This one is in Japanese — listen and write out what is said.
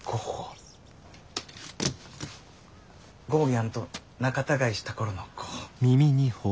ゴーギャンと仲たがいした頃のゴッホ。